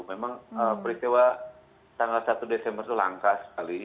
memang peristiwa tanggal satu desember itu langka sekali